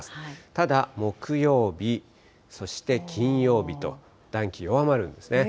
ただ、木曜日、そして金曜日と、暖気弱まるんですね。